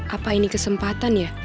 apa ini kesempatan ya